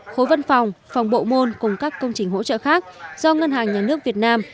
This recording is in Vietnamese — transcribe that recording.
khối văn phòng phòng bộ môn cùng các công trình hỗ trợ khác do ngân hàng nhà nước việt nam